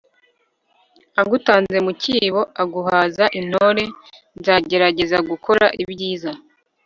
ugutanze mu kibo aguhaza intore nzagerageza gukora ibyiza